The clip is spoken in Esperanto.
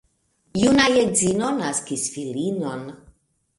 Juna edzino naskis filinon.